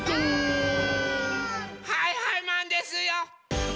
はいはいマンですよ！